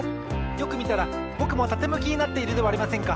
よくみたらぼくもたてむきになっているではありませんか！